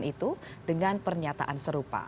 itu dengan pernyataan serupa